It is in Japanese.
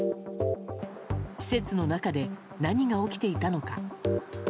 施設の中で何が起きていたのか。